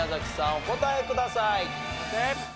お答えください。